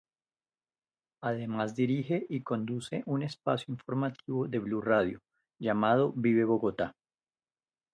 Además dirige y conduce un espacio informativo de Blu Radio, llamado "Vive Bogotá".